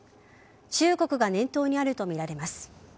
中国が念頭にあるとみられます。